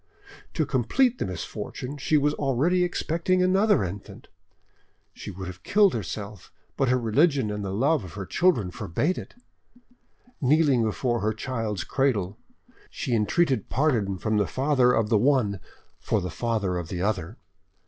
To complete the misfortune, she was already expecting another infant. She would have killed herself, but her religion and the love of her children forbade it. Kneeling before her child's cradle, she entreated pardon from the father of the one for the father of the other.